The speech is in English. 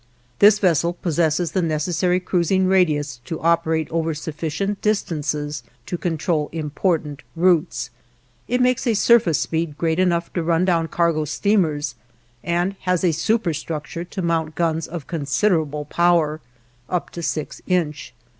This vessel possesses the necessary cruising radius to operate over sufficient distances to control important routes; it makes a surface speed great enough to run down cargo steamers, and has a superstructure to mount guns of considerable power (up to six inch).